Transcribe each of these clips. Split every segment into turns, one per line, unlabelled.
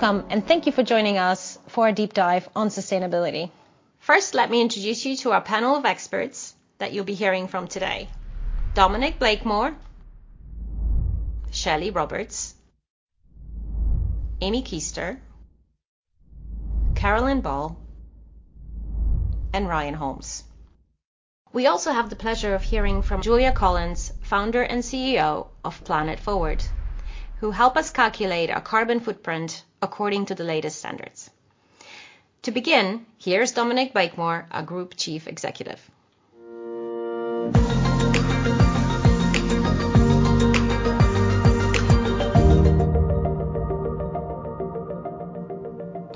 Welco`me, and thank you for joining us for our deep dive on sustainability. First, let me introduce you to our panel of experts that you'll be hearing from today: Dominic Blakemore, Shelley Roberts, Amy Keister, Carolyn Ball, and Ryan Holmes. We also have the pleasure of hearing from Julia Collins, founder and CEO of Planet FWD, who help us calculate our carbon footprint according to the latest standards. To begin, here's Dominic Blakemore, our Group Chief Executive.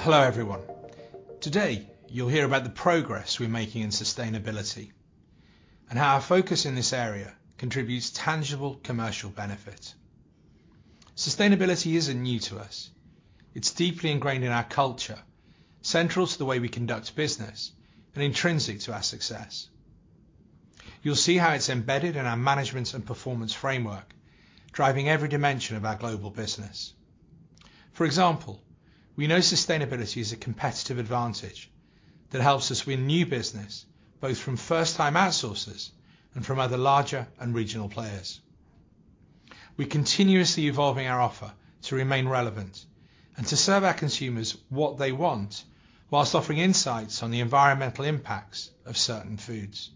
Hello, everyone. Today, you'll hear about the progress we're making in sustainability and how our focus in this area contributes tangible commercial benefit. Sustainability isn't new to us. It's deeply ingrained in our culture, central to the way we conduct business, and intrinsic to our success. You'll see how it's embedded in our management and performance framework, driving every dimension of our global business. For example, we know sustainability is a competitive advantage that helps us win new business, both from first-time outsourcers and from other larger and regional players. We're continuously evolving our offer to remain relevant and to serve our consumers what they want, whilst offering insights on the environmental impacts of certain foods.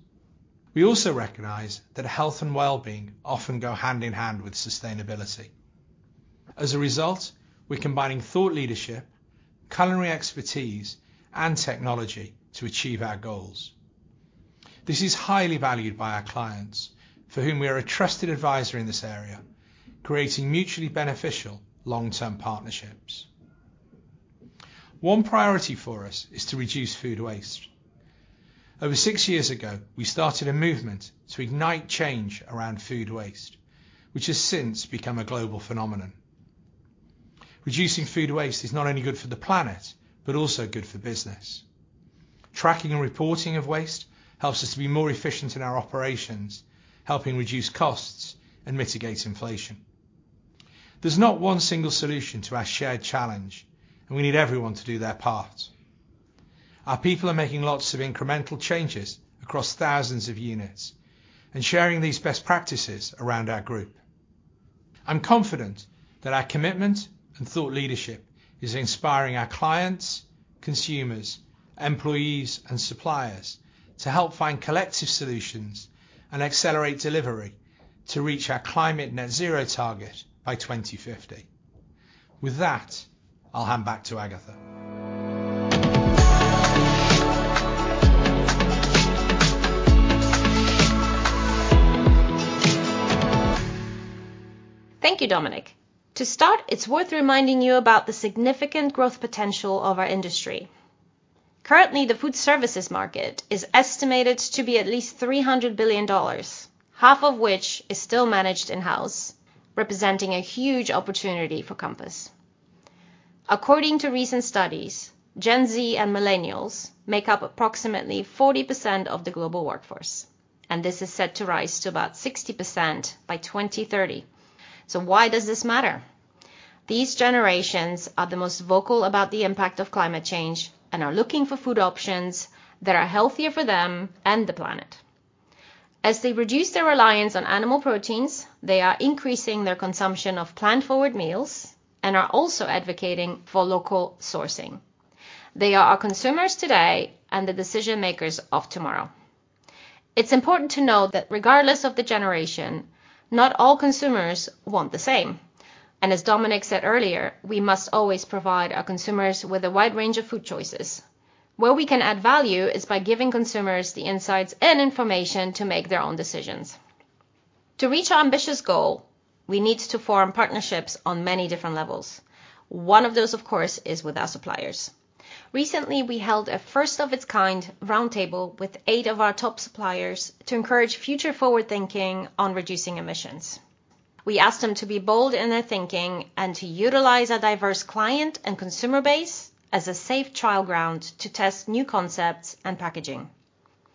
We also recognize that health and wellbeing often go hand in hand with sustainability. As a result, we're combining thought leadership, culinary expertise, and technology to achieve our goals. This is highly valued by our clients, for whom we are a trusted advisor in this area, creating mutually beneficial long-term partnerships. One priority for us is to reduce food waste. Over six years ago, we started a movement to ignite change around food waste, which has since become a global phenomenon. Reducing food waste is not only good for the planet, but also good for business. Tracking and reporting of waste helps us to be more efficient in our operations, helping reduce costs and mitigate inflation. There's not one single solution to our shared challenge, and we need everyone to do their part. Our people are making lots of incremental changes across thousands of units and sharing these best practices around our group. I'm confident that our commitment and thought leadership is inspiring our clients, consumers, employees, and suppliers to help find collective solutions and accelerate delivery to reach our climate net zero target by 2050. With that, I'll hand back to Agatha.
Thank you, Dominic. To start, it's worth reminding you about the significant growth potential of our industry. Currently, the food services market is estimated to be at least $300 billion, half of which is still managed in-house, representing a huge opportunity for Compass. According to recent studies, Gen Z and Millennials make up approximately 40% of the global workforce, and this is set to rise to about 60% by 2030. So why does this matter? These generations are the most vocal about the impact of climate change and are looking for food options that are healthier for them and the planet. As they reduce their reliance on animal proteins, they are increasing their consumption of plant-forward meals and are also advocating for local sourcing. They are our consumers today and the decision makers of tomorrow. It's important to note that regardless of the generation, not all consumers want the same, and as Dominic said earlier, we must always provide our consumers with a wide range of food choices. Where we can add value is by giving consumers the insights and information to make their own decisions. To reach our ambitious goal, we need to form partnerships on many different levels. One of those, of course, is with our suppliers. Recently, we held a first-of-its-kind roundtable with eight of our top suppliers to encourage future forward thinking on reducing emissions. We asked them to be bold in their thinking and to utilize our diverse client and consumer base as a safe trial ground to test new concepts and packaging.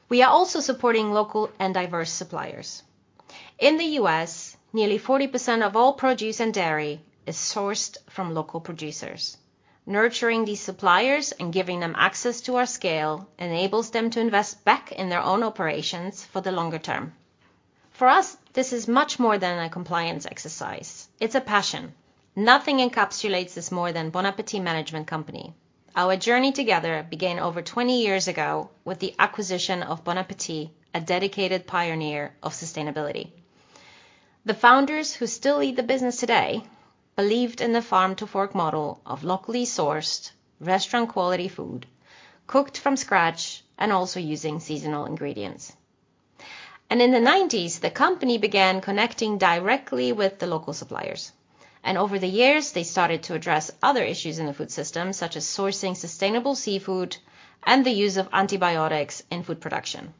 We are also supporting local and diverse suppliers. In the U.S., nearly 40% of all produce and dairy is sourced from local producers. Nurturing these suppliers and giving them access to our scale enables them to invest back in their own operations for the longer term. For us, this is much more than a compliance exercise. It's a passion. Nothing encapsulates this more than Bon Appétit Management Company. Our journey together began over 20 years ago with the acquisition of Bon Appétit, a dedicated pioneer of sustainability. The founders, who still lead the business today, believed in the farm-to-fork model of locally sourced restaurant-quality food, cooked from scratch, and also using seasonal ingredients. In the 1990s, the company began connecting directly with the local suppliers, and over the years, they started to address other issues in the food system, such as sourcing sustainable seafood and the use of antibiotics in food production.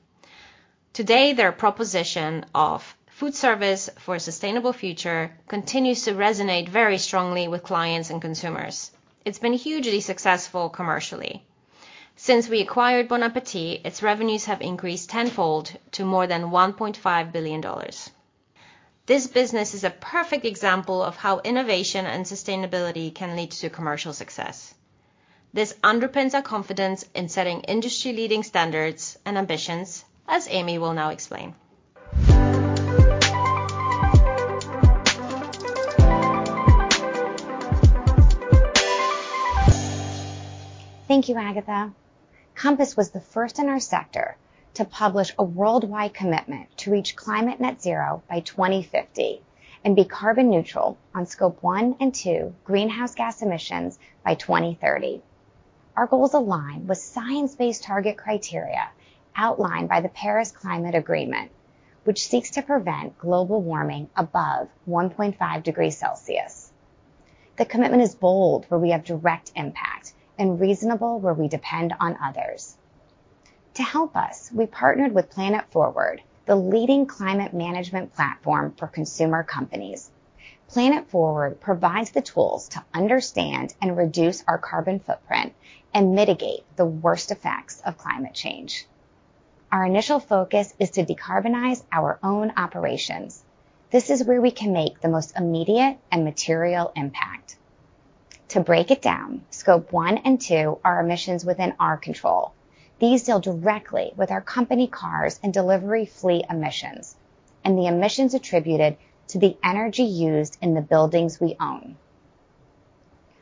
Today, their proposition of food service for a sustainable future continues to resonate very strongly with clients and consumers. It's been hugely successful commercially. Since we acquired Bon Appétit, its revenues have increased tenfold to more than $1.5 billion. This business is a perfect example of how innovation and sustainability can lead to commercial success. This underpins our confidence in setting industry-leading standards and ambitions, as Amy will now explain.
Thank you, Agatha. Compass was the first in our sector to publish a worldwide commitment to reach climate net zero by 2050 and be carbon neutral on Scope 1 and 2 greenhouse gas emissions by 2030. Our goals align with science-based target criteria outlined by the Paris Climate Agreement, which seeks to prevent global warming above 1.5 degrees Celsius. The commitment is bold, where we have direct impact, and reasonable, where we depend on others. To help us, we partnered with Planet FWD, the leading climate management platform for consumer companies. Planet FWD provides the tools to understand and reduce our carbon footprint and mitigate the worst effects of climate change. Our initial focus is to decarbonize our own operations. This is where we can make the most immediate and material impact. To break it down, Scope 1 and 2 are emissions within our control. These deal directly with our company cars and delivery fleet emissions, and the emissions attributed to the energy used in the buildings we own.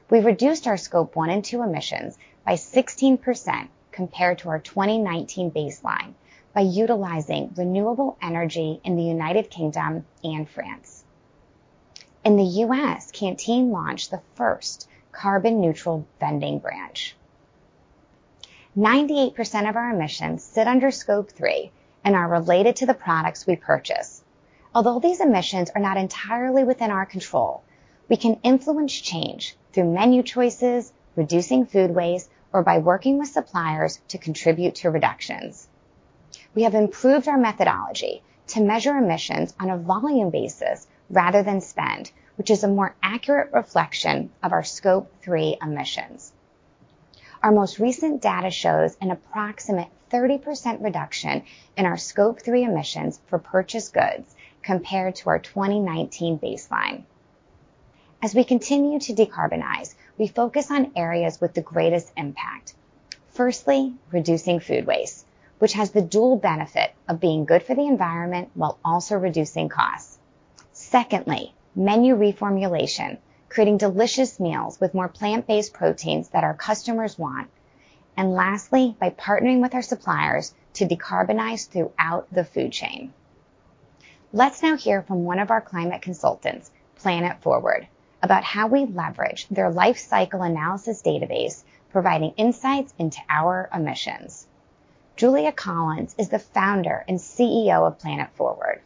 We've reduced our Scope 1 and 2 emissions by 16% compared to our 2019 baseline by utilizing renewable energy in the United Kingdom and France. In the U.S., Canteen launched the first carbon neutral vending branch. 98% of our emissions sit under Scope 3 and are related to the products we purchase. Although these emissions are not entirely within our control, we can influence change through menu choices, reducing food waste, or by working with suppliers to contribute to reductions. We have improved our methodology to measure emissions on a volume basis rather than spend, which is a more accurate reflection of our Scope 3 emissions. Our most recent data shows an approximate 30% reduction in our Scope 3 emissions for purchased goods compared to our 2019 baseline. As we continue to decarbonize, we focus on areas with the greatest impact. Firstly, reducing food waste, which has the dual benefit of being good for the environment while also reducing costs. Secondly, menu reformulation, creating delicious meals with more plant-based proteins that our customers want. And lastly, by partnering with our suppliers to decarbonize throughout the food chain. Let's now hear from one of our climate consultants, Planet FWD, about how we leverage their life cycle analysis database, providing insights into our emissions. Julia Collins is the founder and CEO of Planet FWD.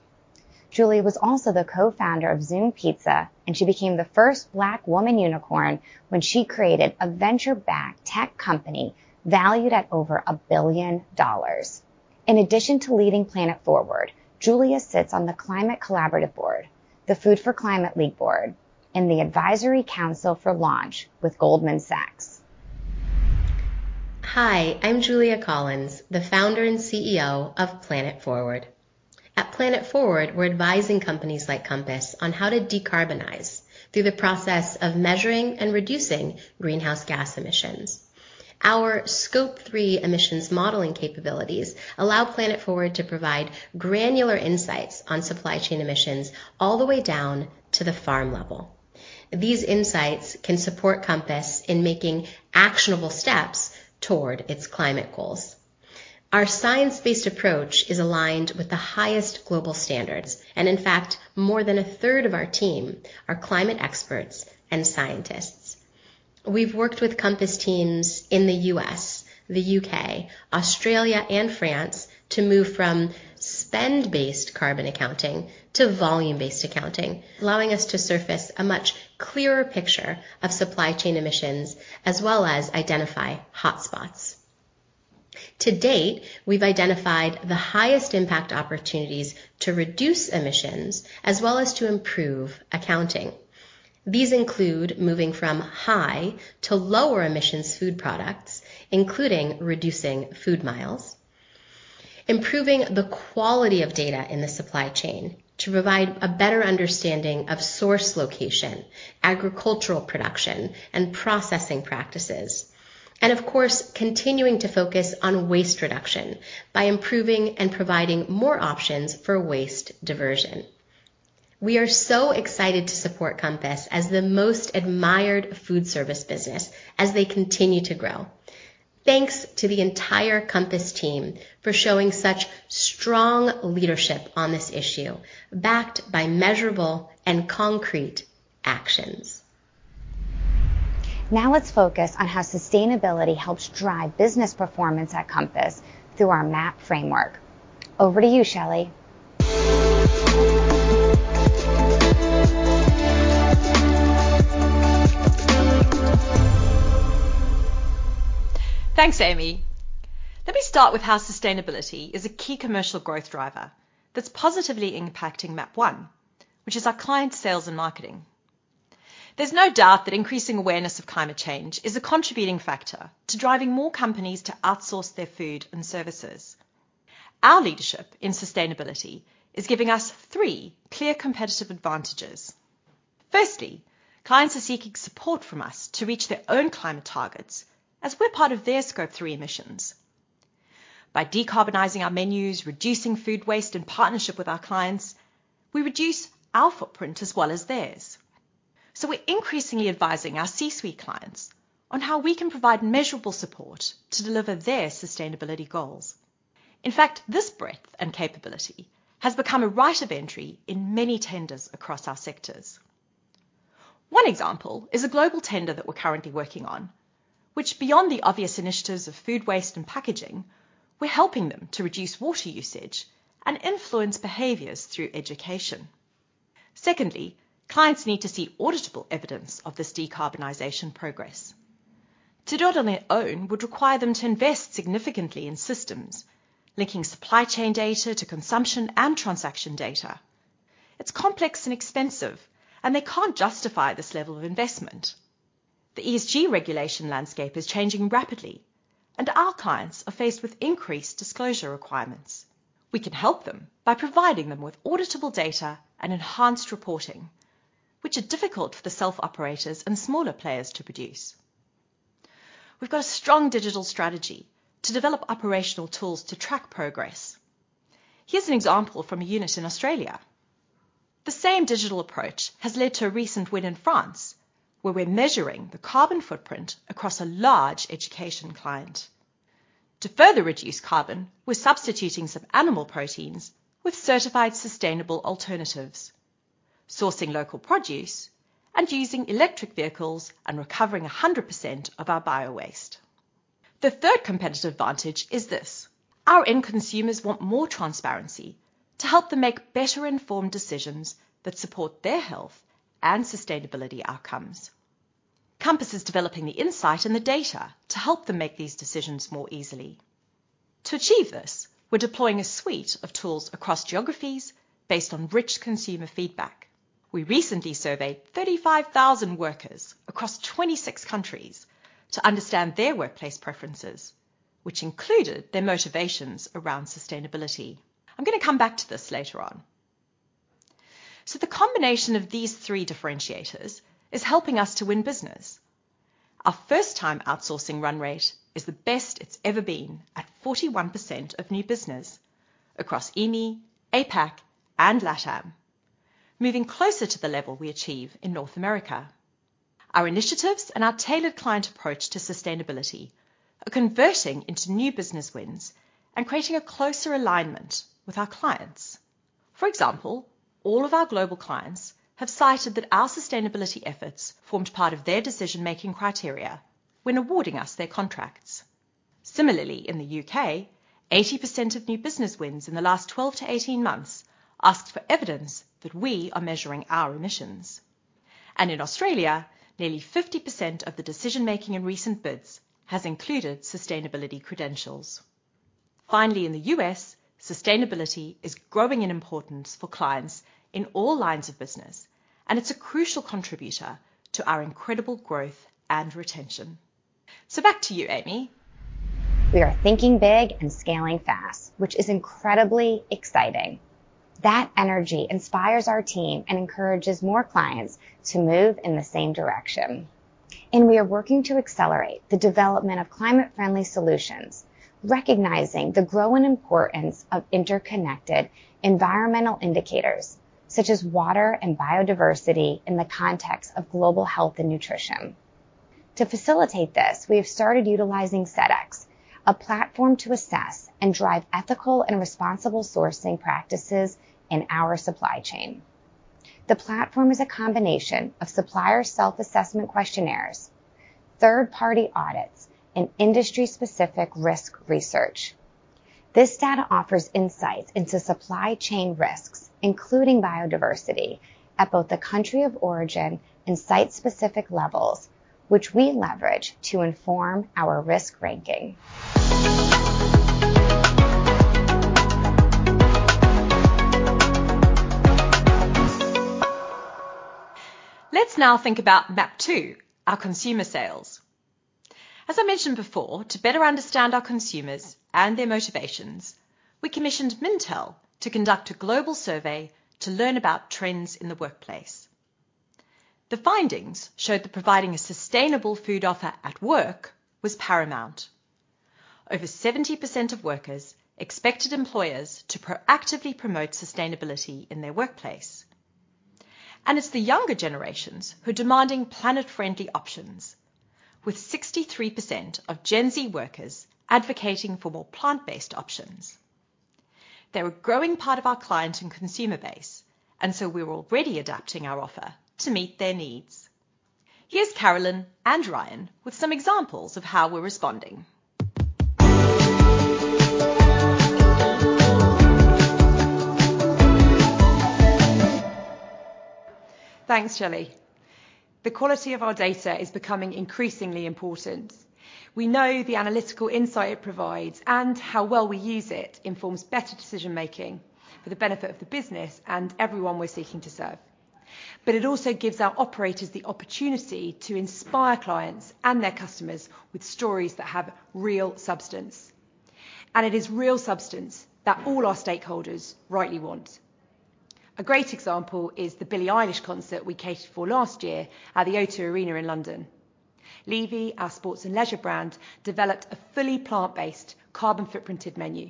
Julia was also the co-founder of Zume Pizza, and she became the first Black woman unicorn when she created a venture-backed tech company valued at over $1 billion. In addition to leading Planet FWD, Julia sits on the Climate Collaborative Board, the Food for Climate League Board, and the Advisory Council for Launch with Goldman Sachs.
Hi, I'm Julia Collins, the founder and CEO of Planet FWD. At Planet FWD, we're advising companies like Compass on how to decarbonize through the process of measuring and reducing greenhouse gas emissions. Our Scope 3 emissions modeling capabilities allow Planet FWD to provide granular insights on supply chain emissions all the way down to the farm level. These insights can support Compass in making actionable steps toward its climate goals. Our science-based approach is aligned with the highest global standards, and in fact, more than 1/3 of our team are climate /experts and scientists. We've worked with Compass teams in the U.S., the U.K., Australia, and France to move from spend-based carbon accounting to volume-based accounting, allowing us to surface a much clearer picture of supply chain emissions, as well as identify hotspots. To date, we've identified the highest impact opportunities to reduce emissions as well as to improve accounting. These include moving from high to lower emissions food products, including reducing food miles, improving the quality of data in the supply chain to provide a better understanding of source location, agricultural production, and processing practices, and of course, continuing to focus on waste reduction by improving and providing more options for waste diversion. We are so excited to support Compass as the most admired food service business as they continue to grow. Thanks to the entire Compass team for showing such strong leadership on this issue, backed by measurable and concrete actions.
Now let's focus on how sustainability helps drive business performance at Compass through our MAP framework. Over to you, Shelley.
Thanks, Amy. Let me start with how sustainability is a key commercial growth driver that's positively impacting MAP 1, which is our client sales and marketing. There's no doubt that increasing awareness of climate change is a contributing factor to driving more companies to outsource their food and services. Our leadership in sustainability is giving us three clear competitive advantages. Firstly, clients are seeking support from us to reach their own climate targets, as we're part of their Scope 3 emissions. By decarbonizing our menus, reducing food waste, and partnership with our clients, we reduce our footprint as well as theirs. So we're increasingly advising our C-suite clients on how we can provide measurable support to deliver their sustainability goals. In fact, this breadth and capability has become a right of entry in many tenders across our sectors. One example is a global tender that we're currently working on, which beyond the obvious initiatives of food waste and packaging, we're helping them to reduce water usage and influence behaviors through education. Secondly, clients need to see auditable evidence of this decarbonization progress. To do it on their own would require them to invest significantly in systems, linking supply chain data to consumption and transaction data. It's complex and expensive, and they can't justify this level of investment. The ESG regulation landscape is changing rapidly, and our clients are faced with increased disclosure requirements. We can help them by providing them with auditable data and enhanced reporting, which are difficult for the self-operators and smaller players to produce. We've got a strong digital strategy to develop operational tools to track progress. Here's an example from a unit in Australia. The same digital approach has led to a recent win in France, where we're measuring the carbon footprint across a large education client. To further reduce carbon, we're substituting some animal proteins with certified sustainable alternatives, sourcing local produce, and using electric vehicles, and recovering 100% of our biowaste. The third competitive advantage is this: Our end consumers want more transparency to help them make better informed decisions that support their health and sustainability outcomes. Compass is developing the insight and the data to help them make these decisions more easily. To achieve this, we're deploying a suite of tools across geographies based on rich consumer feedback. We recently surveyed 35,000 workers across 26 countries to understand their workplace preferences, which included their motivations around sustainability. I'm going to come back to this later on. The combination of these three differentiators is helping us to win business. Our first time outsourcing run rate is the best it's ever been at 41% of new business across EMEA, APAC, and LATAM, moving closer to the level we achieve in North America. Our initiatives and our tailored client approach to sustainability are converting into new business wins and creating a closer alignment with our clients. For example, all of our global clients have cited that our sustainability efforts formed part of their decision-making criteria when awarding us their contracts. Similarly, in the U.K., 80% of new business wins in the last 12-18 months asked for evidence that we are measuring our emissions. In Australia, nearly 50% of the decision-making in recent bids has included sustainability credentials. Finally, in the U.S., sustainability is growing in importance for clients in all lines of business, and it's a crucial contributor to our incredible growth and retention. So back to you, Amy.
We are thinking big and scaling fast, which is incredibly exciting. That energy inspires our team and encourages more clients to move in the same direction. We are working to accelerate the development of climate-friendly solutions, recognizing the growing importance of interconnected environmental indicators, such as water and biodiversity, in the context of global health and nutrition. To facilitate this, we have started utilizing Sedex, a platform to assess and drive ethical and responsible sourcing practices in our supply chain. The platform is a combination of supplier self-assessment questionnaires, third-party audits, and industry-specific risk research. This data offers insights into supply chain risks, including biodiversity, at both the country of origin and site-specific levels, which we leverage to inform our risk ranking.
Let's now think about MAP 2, our consumer sales. As I mentioned before, to better understand our consumers and their motivations, we commissioned Mintel to conduct a global survey to learn about trends in the workplace. The findings showed that providing a sustainable food offer at work was paramount. Over 70% of workers expected employers to proactively promote sustainability in their workplace, and it's the younger generations who are demanding planet-friendly options, with 63% of Gen Z workers advocating for more plant-based options. They're a growing part of our client and consumer base, and so we're already adapting our offer to meet their needs. Here's Carolyn and Ryan with some examples of how we're responding.
Thanks, Shelley. The quality of our data is becoming increasingly important. We know the analytical insight it provides and how well we use it informs better decision-making for the benefit of the business and everyone we're seeking to serve. But it also gives our operators the opportunity to inspire clients and their customers with stories that have real substance, and it is real substance that all our stakeholders rightly want. A great example is the Billie Eilish concert we catered for last year at the O2 Arena in London. Levy, our sports and leisure brand, developed a fully plant-based carbon footprinted menu.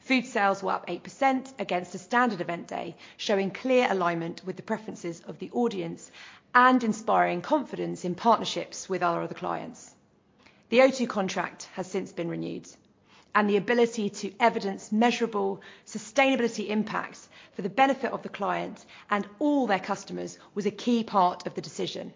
Food sales were up 8% against a standard event day, showing clear alignment with the preferences of the audience and inspiring confidence in partnerships with our other clients. The O2 contract has since been renewed, and the ability to evidence measurable sustainability impacts for the benefit of the client and all their customers was a key part of the decision.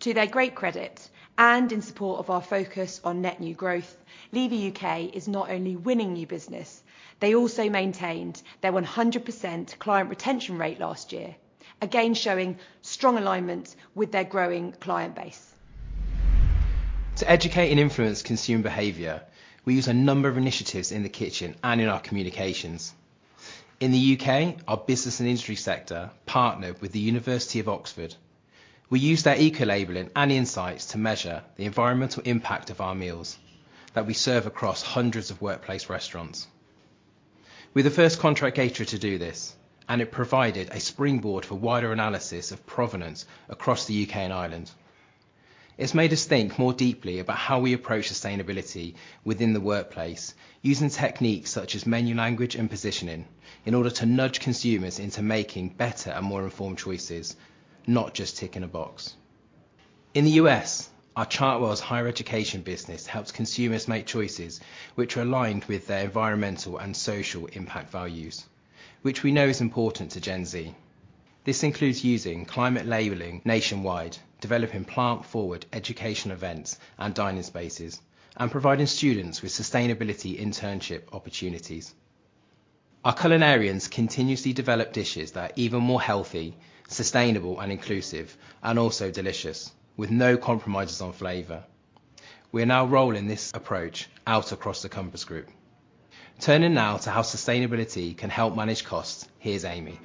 To their great credit, and in support of our focus on net new growth, Levy UK is not only winning new business, they also maintained their 100% client retention rate last year, again showing strong alignment with their growing client base.
To educate and influence consumer behavior, we use a number of initiatives in the kitchen and in our communications. In the U.K., our business and industry sector partnered with the University of Oxford. We used their eco-labeling and insights to measure the environmental impact of our meals that we serve across hundreds of workplace restaurants. We're the first contract caterer to do this, and it provided a springboard for wider analysis of provenance across the U.K. and Ireland. It's made us think more deeply about how we approach sustainability within the workplace, using techniques such as menu language and positioning in order to nudge consumers into making better and more informed choices, not just ticking a box. In the U.S., our Chartwells higher education business helps consumers make choices which are aligned with their environmental and social impact values, which we know is important to Gen Z. This includes using climate labeling nationwide, developing Plant-Forward education events and dining spaces, and providing students with sustainability internship opportunities. Our culinarians continuously develop dishes that are even more healthy, sustainable, and inclusive, and also delicious, with no compromises on flavor. We are now rolling this approach out across the Compass Group. Turning now to how sustainability can help manage costs, here's Amy.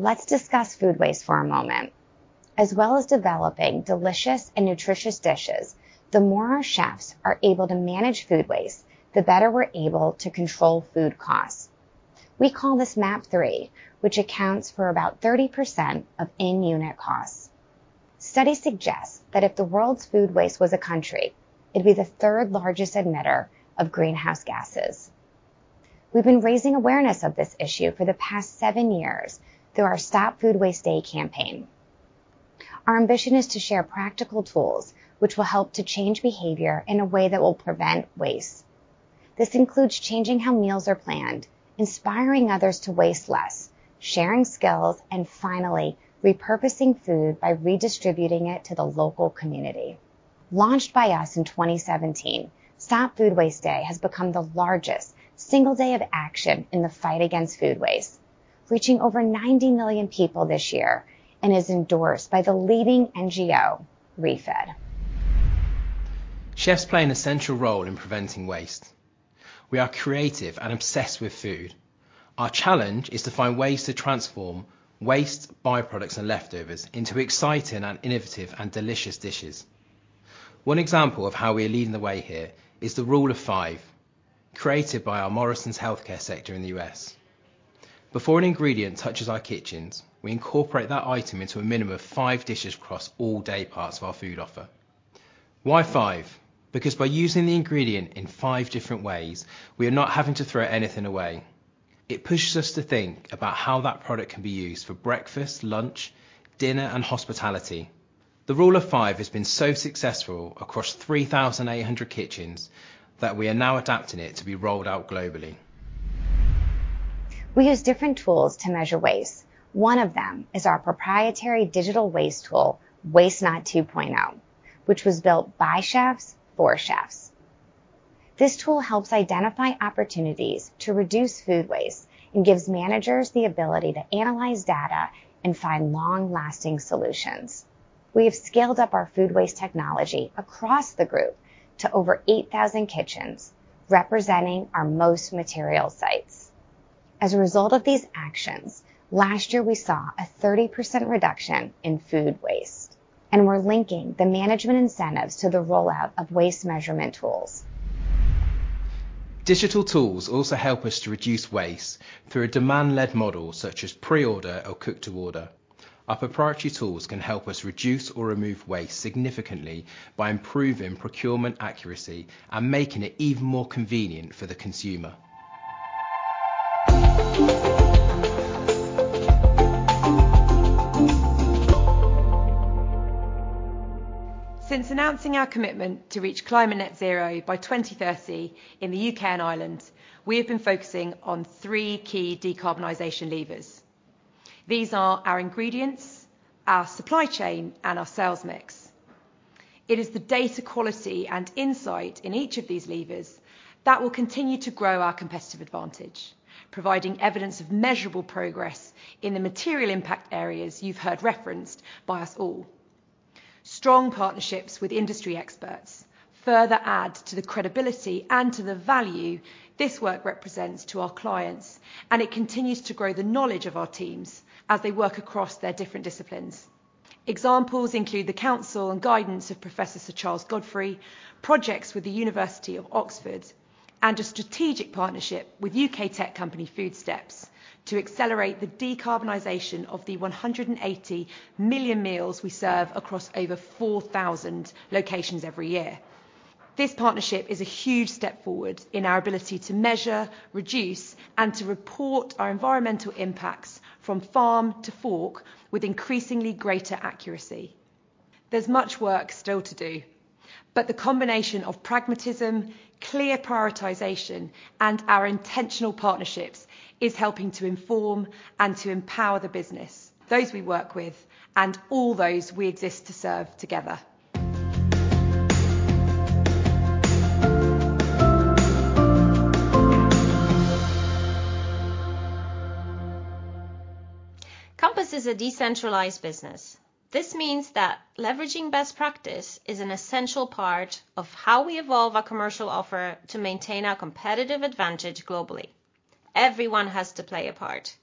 Let's discuss food waste for a moment. As well as developing delicious and nutritious dishes, the more our chefs are able to manage food waste, the better we're able to control food costs. We call this MAP 3, which accounts for about 30% of in-unit costs. Studies suggest that if the world's food waste was a country, it'd be the third largest emitter of greenhouse gases. We've been raising awareness of this issue for the past seven years through our Stop Food Waste Day campaign. Our ambition is to share practical tools which will help to change behavior in a way that will prevent waste. This includes changing how meals are planned, inspiring others to waste less, sharing skills, and finally, repurposing food by redistributing it to the local community. Launched by us in 2017, Stop Food Waste Day has become the largest single day of action in the fight against food waste, reaching over 90 million people this year, and is endorsed by the leading NGO, ReFED.
Chefs play an essential role in preventing waste. We are creative and obsessed with food. Our challenge is to find ways to transform waste, byproducts, and leftovers into exciting and innovative and delicious dishes. One example of how we are leading the way here is the Rule of Five, created by our Morrison's healthcare sector in the U.S. Before an ingredient touches our kitchens, we incorporate that item into a minimum of five dishes across all day parts of our food offer. Why five? Because by using the ingredient in five different ways, we are not having to throw anything away. It pushes us to think about how that product can be used for breakfast, lunch, dinner, and hospitality. The Rule of Five has been so successful across 3,800 kitchens that we are now adapting it to be rolled out globally.
We use different tools to measure waste. One of them is our proprietary digital waste tool, Waste Not 2.0, which was built by chefs for chefs. This tool helps identify opportunities to reduce food waste and gives managers the ability to analyze data and find long-lasting solutions. We have scaled up our food waste technology across the group to over 8,000 kitchens, representing our most material sites. As a result of these actions, last year we saw a 30% reduction in food waste, and we're linking the management incentives to the rollout of waste measurement tools.
Digital tools also help us to reduce waste through a demand-led model, such as pre-order or cook to order. Our proprietary tools can help us reduce or remove waste significantly by improving procurement accuracy and making it even more convenient for the consumer.
Since announcing our commitment to reach climate net zero by 2030 in the U.K. and Ireland, we have been focusing on three key decarbonization levers. These are our ingredients, our supply chain, and our sales mix. It is the data quality and insight in each of these levers that will continue to grow our competitive advantage, providing evidence of measurable progress in the material impact areas you've heard referenced by us all. Strong partnerships with industry experts further add to the credibility and to the value this work represents to our clients, and it continues to grow the knowledge of our teams as they work across their different disciplines. Examples include the counsel and guidance of Professor Sir Charles Godfray, projects with the University of Oxford, and a strategic partnership with U.K. tech company, Foodsteps, to accelerate the decarbonization of the 180 million meals we serve across over 4,000 locations every year. This partnership is a huge step forward in our ability to measure, reduce, and to report our environmental impacts from farm to fork with increasingly greater accuracy. There's much work still to do, but the combination of pragmatism, clear prioritization, and our intentional partnerships is helping to inform and to empower the business, those we work with, and all those we exist to serve together.
Compass is a decentralized business. This means that leveraging best practice is an essential part of how we evolve our commercial offer to maintain our competitive advantage globally. Everyone has to play a part.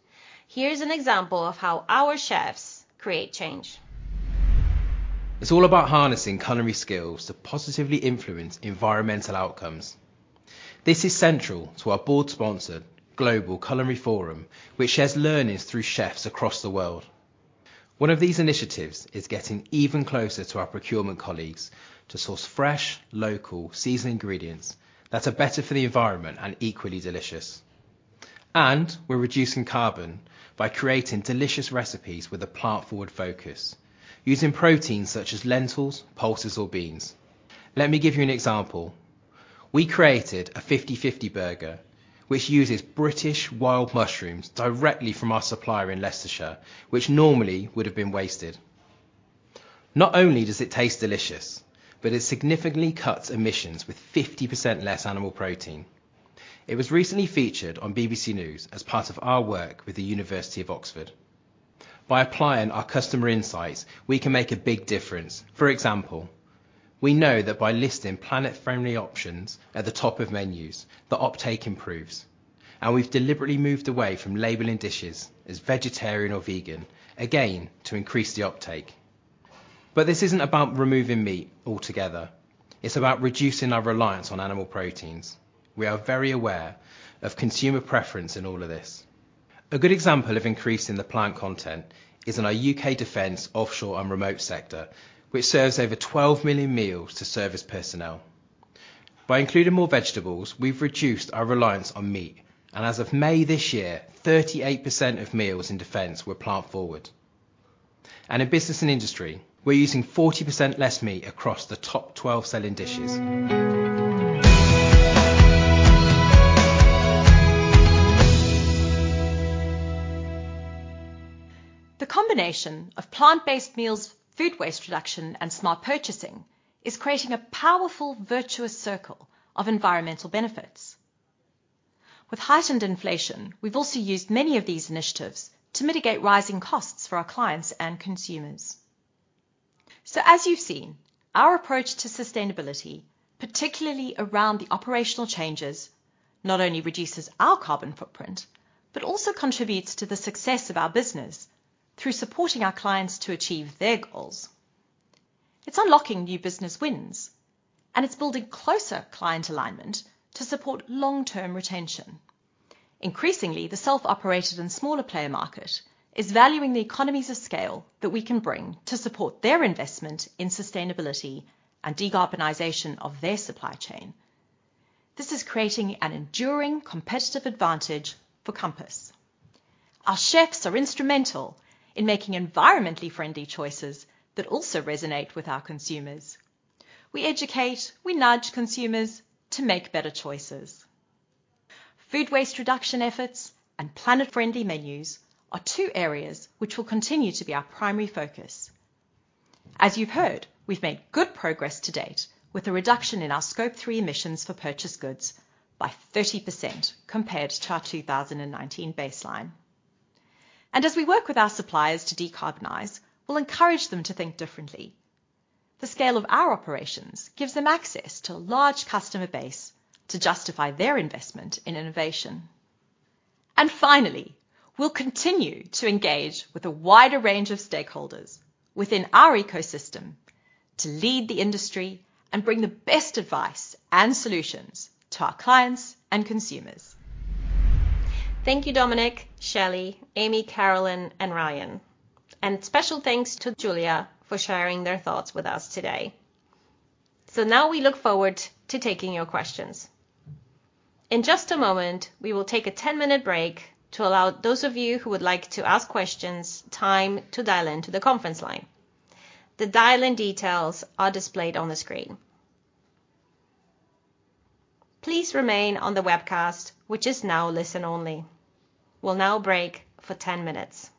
Here's an example of how our chefs create change.
It's all about harnessing culinary skills to positively influence environmental outcomes. This is central to our board-sponsored Global Culinary Forum, which shares learnings through chefs across the world. One of these initiatives is getting even closer to our procurement colleagues to source fresh, local, seasonal ingredients that are better for the environment and equally delicious. We're reducing carbon by creating delicious recipes with a plant-forward focus using proteins such as lentils, pulses, or beans. Let me give you an example. We created a 50/50 burger, which uses British wild mushrooms directly from our supplier in Leicestershire, which normally would have been wasted. Not only does it taste delicious, but it significantly cuts emissions with 50% less animal protein. It was recently featured on BBC News as part of our work with the University of Oxford. By applying our customer insights, we can make a big difference. For example, we know that by listing planet-friendly options at the top of menus, the uptake improves, and we've deliberately moved away from labeling dishes as vegetarian or vegan, again, to increase the uptake. But this isn't about removing meat altogether. It's about reducing our reliance on animal proteins. We are very aware of consumer preference in all of this. A good example of increasing the plant content is in our U.K. defense, offshore, and remote sector, which serves over 12 million meals to service personnel. By including more vegetables, we've reduced our reliance on meat, and as of May this year, 38% of meals in defense were plant-forward. In business and industry, we're using 40% less meat across the top 12 selling dishes.
The combination of plant-based meals, food waste reduction, and smart purchasing is creating a powerful, virtuous circle of environmental benefits. With heightened inflation, we've also used many of these initiatives to mitigate rising costs for our clients and consumers. So as you've seen, our approach to sustainability, particularly around the operational changes, not only reduces our carbon footprint, but also contributes to the success of our business through supporting our clients to achieve their goals. It's unlocking new business wins, and it's building closer client alignment to support long-term retention. Increasingly, the self-operated and smaller player market is valuing the economies of scale that we can bring to support their investment in sustainability and decarbonization of their supply chain. This is creating an enduring competitive advantage for Compass. Our chefs are instrumental in making environmentally friendly choices that also resonate with our consumers. We educate, we nudge consumers to make better choices. Food waste reduction efforts and planet-friendly menus are two areas which will continue to be our primary focus. As you've heard, we've made good progress to date with a reduction in our Scope 3 emissions for purchased goods by 30% compared to our 2019 baseline. And as we work with our suppliers to decarbonize, we'll encourage them to think differently. The scale of our operations gives them access to a large customer base to justify their investment in innovation. And finally, we'll continue to engage with a wider range of stakeholders within our ecosystem to lead the industry and bring the best advice and solutions to our clients and consumers.
Thank you, Dominic, Shelley, Amy, Carolyn, and Ryan, and special thanks to Julia for sharing their thoughts with us today. Now we look forward to taking your questions. In just a moment, we will take a 10-minute break to allow those of you who would like to ask questions, time to dial into the conference line. The dial-in details are displayed on the screen. Please remain on the webcast, which is now listen only. We'll now break for 10 minutes.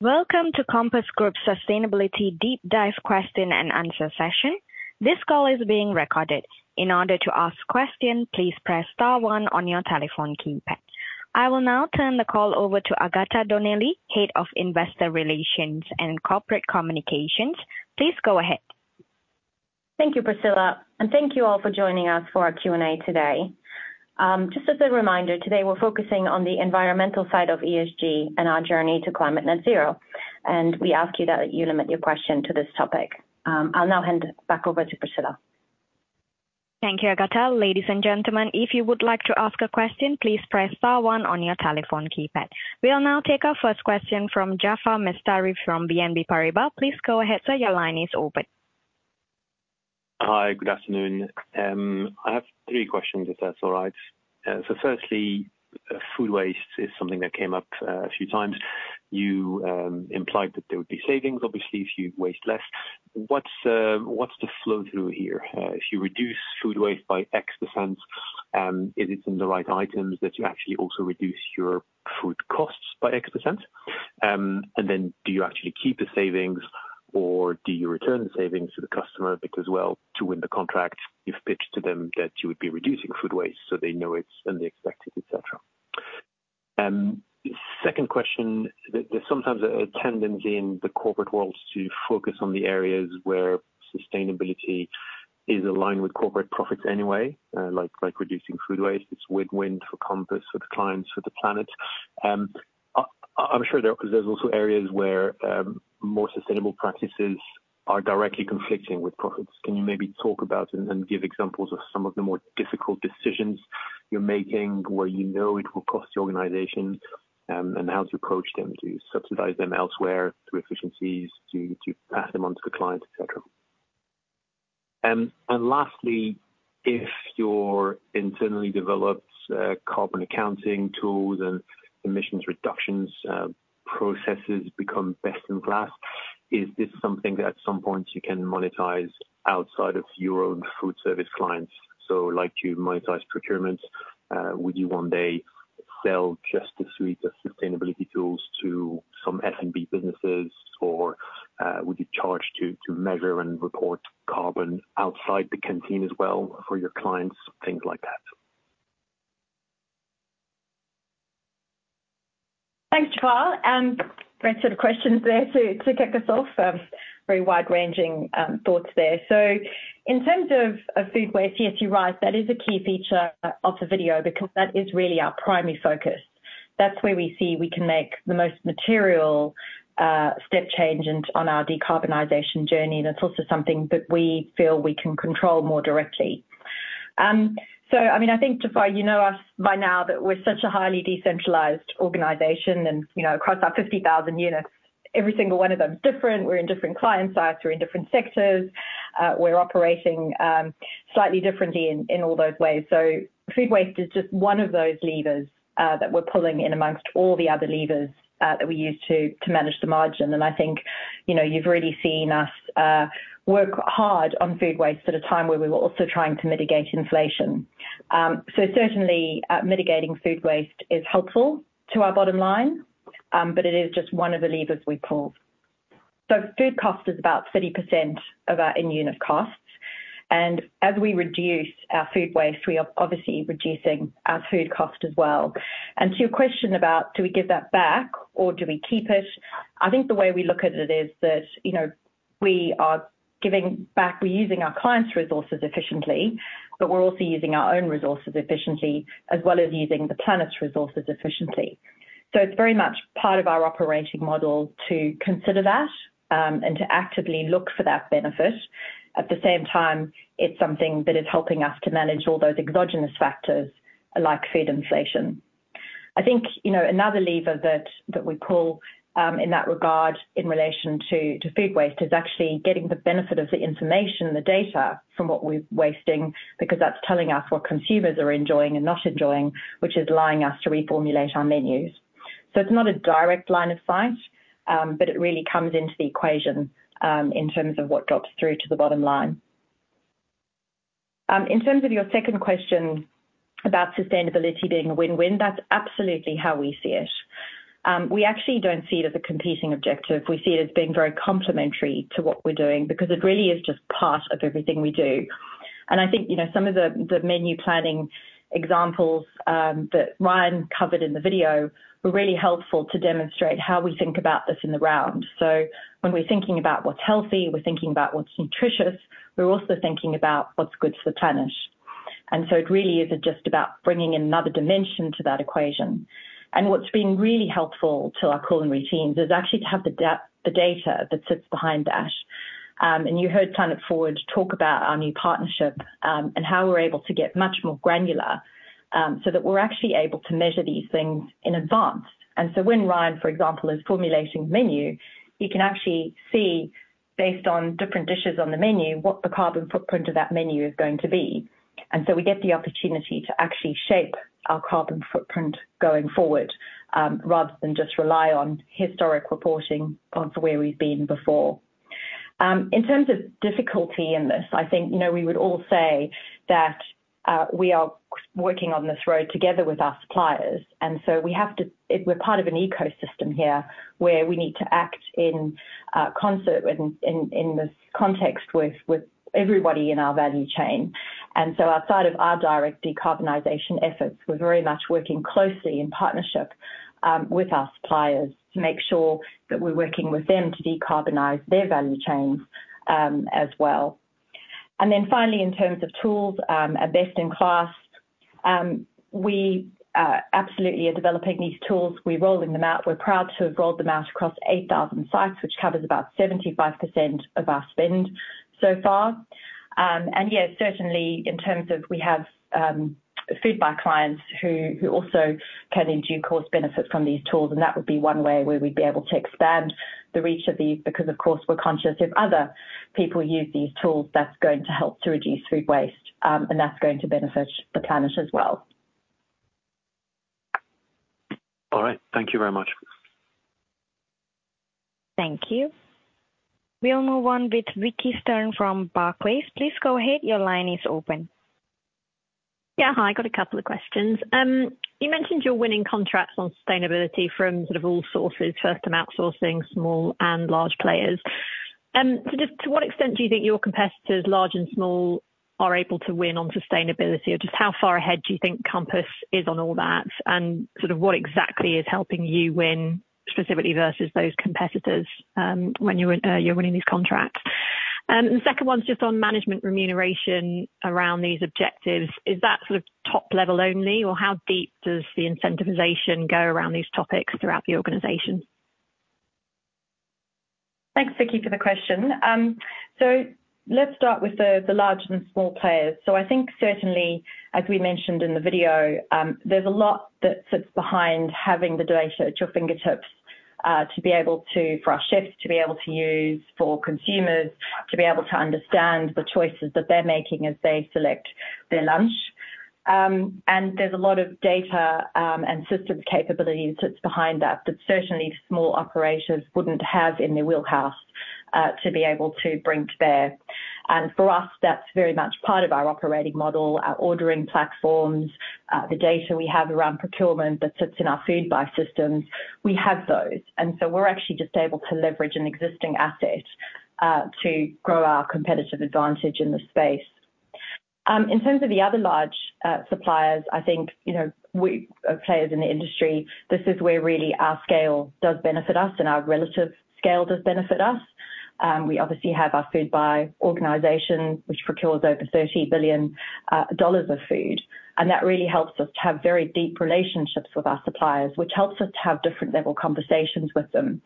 Welcome to Compass Group Sustainability Deep Dive Question and Answer session. This call is being recorded. In order to ask question, please press star one on your telephone keypad. I will now turn the call over to Agatha Donnelly, Head of Investor Relations and Corporate Communications. Please go ahead.
Thank you, Priscilla, and thank you all for joining us for our Q&A today. Just as a reminder, today we're focusing on the environmental side of ESG and our journey to Climate Net Zero, and we ask you that you limit your question to this topic. I'll now hand it back over to Priscilla.
Thank you, Agatha. Ladies and gentlemen, if you would like to ask a question, please press star one on your telephone keypad. We'll now take our first question from Jaafar Mestari from BNP Paribas. Please go ahead, sir. Your line is open.
Hi, good afternoon. I have three questions, if that's all right. So firstly, food waste is something that came up a few times. You implied that there would be savings, obviously, if you waste less. What's the flow through here? If you reduce food waste by X%, is it in the right items that you actually also reduce your food costs by X%? And then do you actually keep the savings, or do you return the savings to the customer? Because, well, to win the contract, you've pitched to them that you would be reducing food waste, so they know it's and they expect it, et cetera. Second question, there's sometimes a tendency in the corporate world to focus on the areas where sustainability is aligned with corporate profits anyway, like, like reducing food waste. It's win-win for Compass, for the clients, for the planet. I'm sure there, there's also areas where more sustainable practices are directly conflicting with profits. Can you maybe talk about and give examples of some of the more difficult decisions you're making, where you know it will cost the organization, and how to approach them? Do you subsidize them elsewhere through efficiencies, do you pass them on to the client, et cetera? And lastly, if your internally developed carbon accounting tools and emissions reductions processes become best in class, is this something that at some point you can monetize outside of your own food service clients? So like you monetize procurements, would you one day sell just a suite of sustainability tools to some SMB businesses? Or, would you charge to measure and report carbon outside the canteen as well for your clients, things like that?
Thanks, Jeff. Great set of questions there to kick us off. Very wide-ranging thoughts there. So in terms of food waste, yes, you're right, that is a key feature of the video, because that is really our primary focus. That's where we see we can make the most material step change in on our decarbonization journey, and it's also something that we feel we can control more directly. So I mean, I think, Jeff, you know us by now that we're such a highly decentralized organization. You know, across our 50,000 units, every single one of them is different. We're in different client sites, we're in different sectors. We're operating slightly differently in all those ways. So food waste is just one of those levers that we're pulling in amongst all the other levers that we use to manage the margin. And I think, you know, you've really seen us work hard on food waste at a time where we were also trying to mitigate inflation. So certainly, mitigating food waste is helpful to our bottom line, but it is just one of the levers we pull. So food cost is about 30% of our in-unit costs, and as we reduce our food waste, we are obviously reducing our food cost as well. And to your question about do we give that back or do we keep it? I think the way we look at it is that, you know, we are giving back. We're using our clients' resources efficiently, but we're also using our own resources efficiently, as well as using the planet's resources efficiently. So it's very much part of our operating model to consider that, and to actively look for that benefit. At the same time, it's something that is helping us to manage all those exogenous factors, like food inflation. I think, you know, another lever that, that we pull, in that regard, in relation to, to food waste, is actually getting the benefit of the information, the data from what we're wasting, because that's telling us what consumers are enjoying and not enjoying, which is allowing us to reformulate our menus. So it's not a direct line of sight, but it really comes into the equation, in terms of what drops through to the bottom line. In terms of your second question about sustainability being a win-win, that's absolutely how we see it. We actually don't see it as a competing objective. We see it as being very complementary to what we're doing, because it really is just part of everything we do. And I think, you know, some of the, the menu planning examples, that Ryan covered in the video were really helpful to demonstrate how we think about this in the round. So when we're thinking about what's healthy, we're thinking about what's nutritious, we're also thinking about what's good for the planet. And so it really is just about bringing another dimension to that equation. And what's been really helpful to our culinary teams is actually to have the data that sits behind dash. You heard Planet FWD talk about our new partnership, and how we're able to get much more granular, so that we're actually able to measure these things in advance. And so when Ryan, for example, is formulating the menu, he can actually see, based on different dishes on the menu, what the carbon footprint of that menu is going to be. And so we get the opportunity to actually shape our carbon footprint going forward, rather than just rely on historic reporting on to where we've been before. In terms of difficulty in this, I think, you know, we would all say that we are working on this road together with our suppliers, and so we have to... We're part of an ecosystem here, where we need to act in concert, in the context with everybody in our value chain. And so outside of our direct decarbonization efforts, we're very much working closely in partnership with our suppliers to make sure that we're working with them to decarbonize their value chains, as well. And then finally, in terms of tools, are best in class. We absolutely are developing these tools. We're rolling them out. We're proud to have rolled them out across 8,000 sites, which covers about 75% of our spend so far. Yeah, certainly, in terms of, we have Foodbuy clients who also can, in due course, benefit from these tools, and that would be one way where we'd be able to expand the reach of these, because, of course, we're conscious if other people use these tools, that's going to help to reduce food waste, and that's going to benefit the planet as well.
All right, thank you very much.
Thank you. We'll move on with Vicki Stern from Barclays. Please go ahead. Your line is open.
Yeah. Hi, got a couple of questions. You mentioned you're winning contracts on sustainability from sort of all sources, first-time outsourcing, small and large players. So just to what extent do you think your competitors, large and small, are able to win on sustainability? Or just how far ahead do you think Compass is on all that, and sort of what exactly is helping you win specifically versus those competitors, when you're winning these contracts? The second one's just on management remuneration around these objectives. Is that sort of top level only, or how deep does the incentivization go around these topics throughout the organization?
Thanks, Vicki, for the question. So let's start with the large and small players. So I think certainly, as we mentioned in the video, there's a lot that sits behind having the data at your fingertips, to be able to, for our chefs, to be able to use for consumers, to be able to understand the choices that they're making as they select their lunch. And there's a lot of data and systems capabilities that's behind that, that certainly small operations wouldn't have in their wheelhouse, to be able to bring to bear. And for us, that's very much part of our operating model, our ordering platforms, the data we have around procurement that sits in our Foodbuy systems. We have those, and so we're actually just able to leverage an existing asset to grow our competitive advantage in the space. In terms of the other large suppliers, I think, you know, we are players in the industry. This is where really our scale does benefit us, and our relative scale does benefit us. We obviously have our Foodbuy organization, which procures over $30 billion of food, and that really helps us to have very deep relationships with our suppliers, which helps us to have different level conversations with them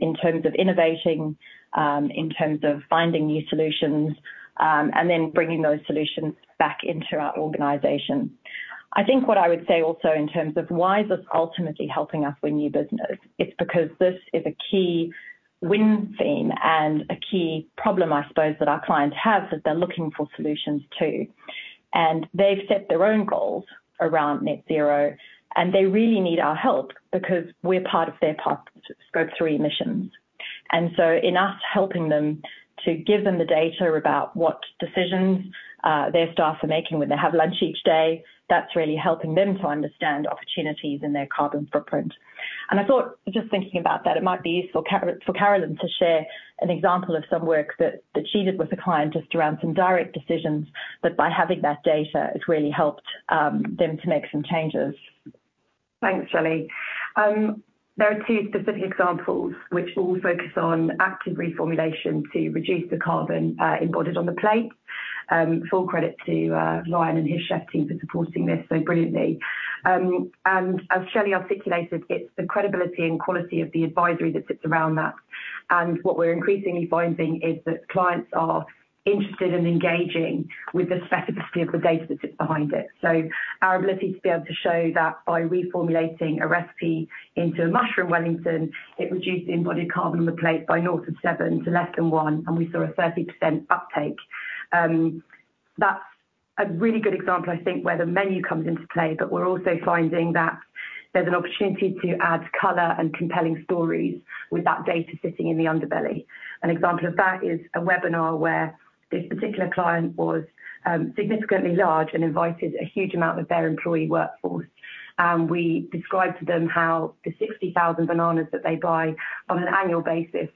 in terms of innovating, in terms of finding new solutions, and then bringing those solutions back into our organization. I think what I would say also in terms of why is this ultimately helping us win new business, it's because this is a key win theme and a key problem I suppose that our clients have, that they're looking for solutions to. And they've set their own goals around net zero, and they really need our help because we're part of their path to Scope 3 emissions. And so in us helping them to give them the data about what decisions their staff are making when they have lunch each day, that's really helping them to understand opportunities in their carbon footprint. I thought, just thinking about that, it might be useful for Carolyn to share an example of some work that, that she did with a client, just around some direct decisions, that by having that data, it's really helped them to make some changes.
Thanks, Shelely. There are two specific examples which all focus on active reformulation to reduce the carbon embodied on the plate. Full credit to Ryan and his chef team for supporting this so brilliantly. And as Shelley articulated, it's the credibility and quality of the advisory that sits around that. And what we're increasingly finding is that clients are interested in engaging with the specificity of the data that sits behind it. So our ability to be able to show that by reformulating a recipe into a mushroom Wellington, it reduced the embodied carbon on the plate by north of seven to less than one, and we saw a 30% uptake. That's a really good example, I think, where the menu comes into play, but we're also finding that there's an opportunity to add color and compelling stories with that data sitting in the underbelly. An example of that is a webinar where this particular client was significantly large and invited a huge amount of their employee workforce. And we described to them how the 60,000 bananas that they buy on an annual basis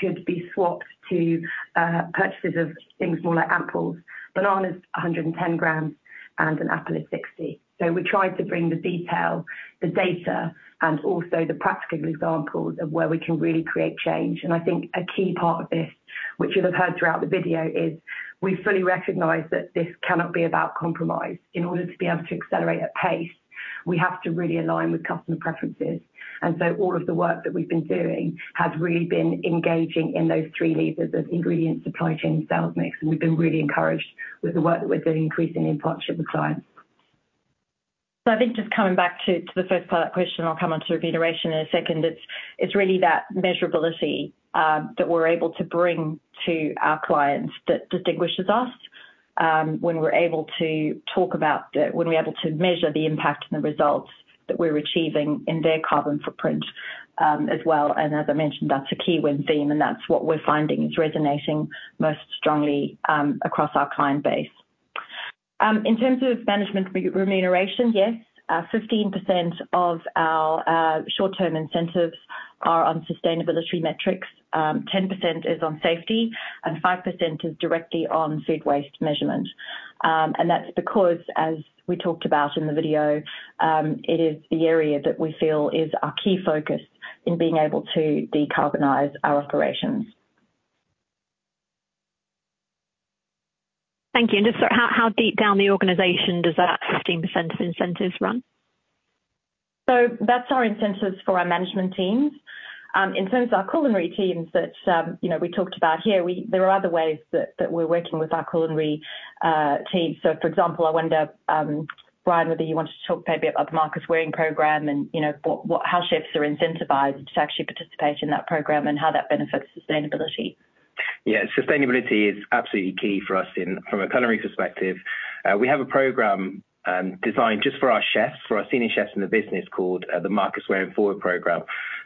could be swapped to purchases of things more like apples. Bananas, 110 g, and an apple is 60 g. So we tried to bring the detail, the data, and also the practical examples of where we can really create change. And I think a key part of this, which you'll have heard throughout the video, is we fully recognize that this cannot be about compromise. In order to be able to accelerate at pace, we have to really align with customer preferences. So all of the work that we've been doing has really been engaging in those three levers of ingredient, supply chain, sales mix, and we've been really encouraged with the work that we're doing, increasingly in partnership with clients.
So I think just coming back to the first part of that question, I'll come on to reiteration in a second. It's really that measurability that we're able to bring to our clients that distinguishes us. When we're able to talk about when we're able to measure the impact and the results that we're achieving in their carbon footprint, as well. And as I mentioned, that's a key win theme, and that's what we're finding is resonating most strongly across our client base. In terms of management remuneration, yes, 15% of our short-term incentives are on sustainability metrics. 10% is on safety, and 5% is directly on food waste measurement. That's because, as we talked about in the video, it is the area that we feel is our key focus in being able to decarbonize our operations.
Thank you. Just how deep down the organization does that 15% of incentives run?
So that's our incentives for our management teams. In terms of our culinary teams, that, you know, we talked about here, there are other ways that, that we're working with our culinary teams. So, for example, I wonder, Ryan, whether you wanted to talk maybe about the Marcus Wareing program and, you know, how chefs are incentivized to actually participate in that program and how that benefits sustainability?
Yeah, sustainability is absolutely key for us in, from a culinary perspective. We have a program designed just for our chefs, for our senior chefs in the business, called the Marcus Wareing Forward program.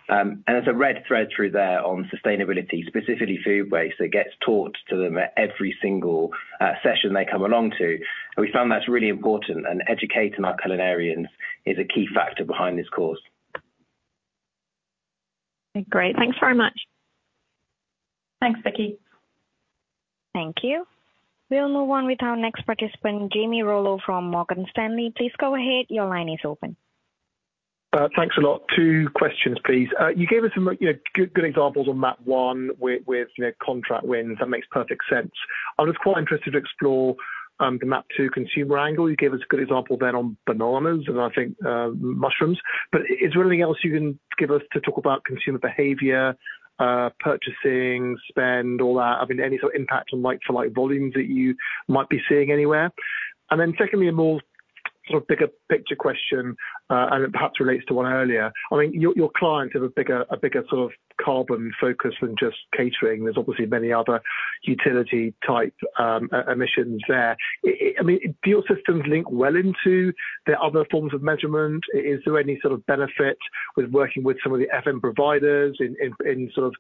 And there's a red thread through there on sustainability, specifically food waste, that gets taught to them at every single session they come along to. And we found that's really important, and educating our culinarians is a key factor behind this course.
Great. Thanks very much.
Thanks, Vicki.
Thank you. We'll move on with our next participant, Jamie Rollo from Morgan Stanley. Please go ahead. Your line is open.
Thanks a lot. Two questions, please. You gave us some, you know, good, good examples on MAP 1 with, with, you know, contract wins. That makes perfect sense. I was quite interested to explore the MAP 2 consumer angle. You gave us a good example then on bananas and I think mushrooms. But is there anything else you can give us to talk about consumer behavior, purchasing, spend, all that? I mean, any sort of impact on like-for-like volumes that you might be seeing anywhere? And then secondly, a more sort of bigger picture question, and it perhaps relates to one earlier. I mean, your, your clients have a bigger, a bigger sort of carbon focus than just catering. There's obviously many other utility type e-emissions there. I mean, do your systems link well into the other forms of measurement? Is there any sort of benefit with working with some of the FM providers in sort of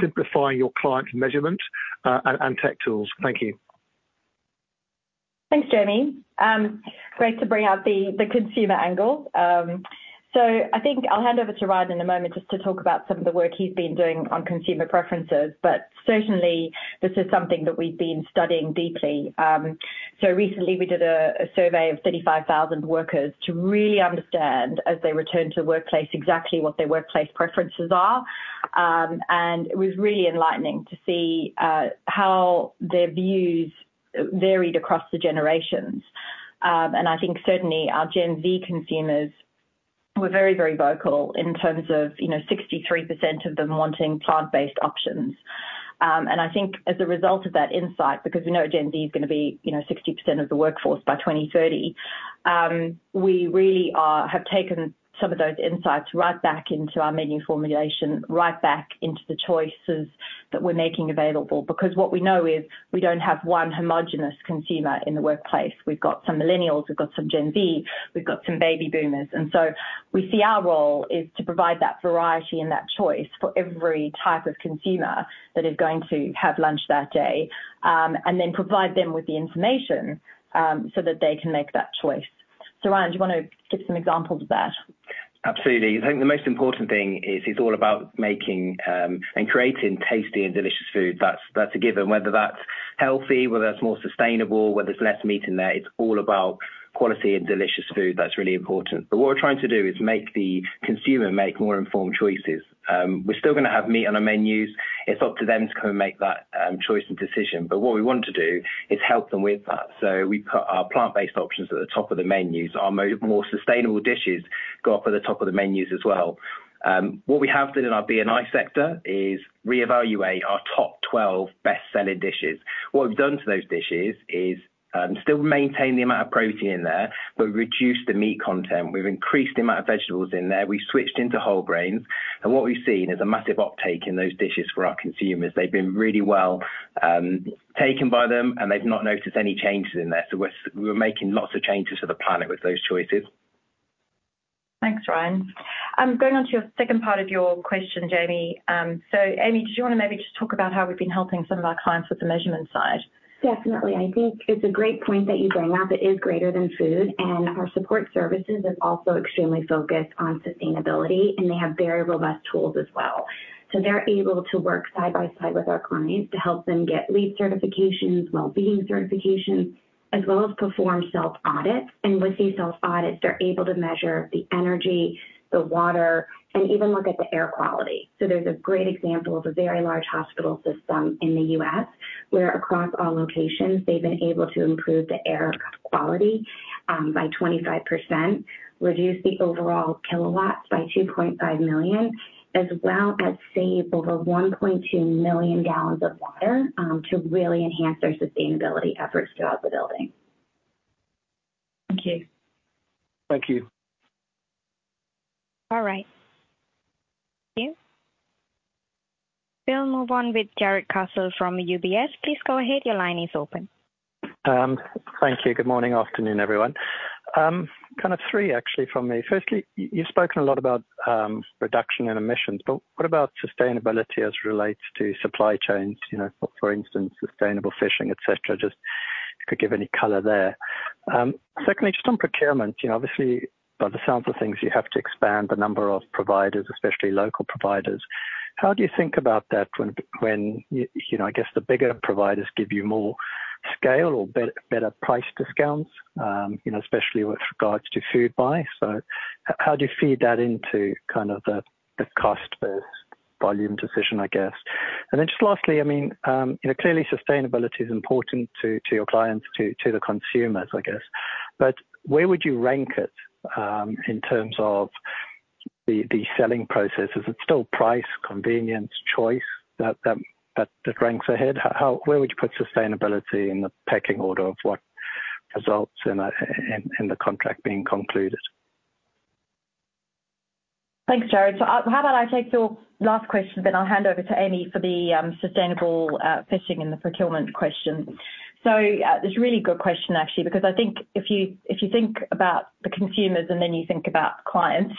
simplifying your clients' measurement and tech tools? Thank you.
Thanks, Jamie. Great to bring out the consumer angle. So I think I'll hand over to Ryan in a moment just to talk about some of the work he's been doing on consumer preferences. But certainly this is something that we've been studying deeply. So recently we did a survey of 35,000 workers to really understand, as they return to the workplace, exactly what their workplace preferences are. And it was really enlightening to see how their views varied across the generations. And I think certainly our Gen Z consumers were very, very vocal in terms of, you know, 63% of them wanting plant-based options. And I think as a result of that insight, because we know Gen Z is gonna be, you know, 60% of the workforce by 2030, we really have taken some of those insights right back into our menu formulation, right back into the choices that we're making available. Because what we know is we don't have one homogenous consumer in the workplace. We've got some millennials, we've got some Gen Z, we've got some baby boomers. And so we see our role is to provide that variety and that choice for every type of consumer that is going to have lunch that day, and then provide them with the information, so that they can make that choice. So, Ryan, do you want to give some examples of that?
Absolutely. I think the most important thing is it's all about making and creating tasty and delicious food. That's, that's a given. Whether that's healthy, whether that's more sustainable, whether it's less meat in there, it's all about quality and delicious food. That's really important. But what we're trying to do is make the consumer make more informed choices. We're still gonna have meat on our menus. It's up to them to come and make that choice and decision. But what we want to do is help them with that. So we put our plant-based options at the top of the menus. Our more sustainable dishes go up at the top of the menus as well. What we have done in our B&I sector is reevaluate our top 12 best-selling dishes. What we've done to those dishes is still maintain the amount of protein in there, but reduce the meat content. We've increased the amount of vegetables in there. We've switched into whole grains, and what we've seen is a massive uptake in those dishes for our consumers. They've been really well taken by them, and they've not noticed any changes in there. So we're making lots of changes to the planet with those choices.
Thanks, Ryan. Going on to your second part of your question, Jamie. Amy, did you want to maybe just talk about how we've been helping some of our clients with the measurement side?
Definitely. I think it's a great point that you bring up. It is greater than food, and our support services is also extremely focused on sustainability, and they have very robust tools as well. So they're able to work side by side with our clients to help them get LEED certifications, wellbeing certifications, as well as perform self-audits. And with these self-audits, they're able to measure the energy, the water, and even look at the air quality. So there's a great example of a very large hospital system in the U.S., where across all locations they've been able to improve the air quality by 25%, reduce the overall kilowatts by 2.5 million, as well as save over 1.2 million gal of water, to really enhance their sustainability efforts throughout the building.
Thank you.
Thank you.
All right. Thank you. We'll move on with Jarrod Castle from UBS. Please go ahead. Your line is open.
Thank you. Good morning, afternoon, everyone. Kind of three actually from me. Firstly, you've spoken a lot about reduction in emissions, but what about sustainability as it relates to supply chains? You know, for instance, sustainable fishing, et cetera. Just if you could give any color there. Secondly, just on procurement, you know, obviously, by the sounds of things, you have to expand the number of providers, especially local providers. How do you think about that when you know, I guess, the bigger providers give you more scale or better price discounts, you know, especially with regards to Foodbuy? So how do you feed that into kind of the cost versus volume decision, I guess? Then just lastly, I mean, you know, clearly sustainability is important to your clients, to the consumers, I guess. But where would you rank it in terms of the selling processes? Is it still price, convenience, choice, that ranks ahead? How? Where would you put sustainability in the pecking order of what results in a contract being concluded?
Thanks, Jarrod. So, how about I take your last question, then I'll hand over to Amy for the sustainable fishing and the procurement question. So, that's a really good question, actually, because I think if you, if you think about the consumers and then you think about clients,